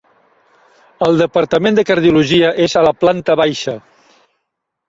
El departament de cardiologia és a la planta baixa.